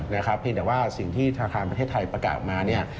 เพียงแต่ว่าสิ่งที่ธนาคารประเทศไทยประกาศออกมาเนี่ย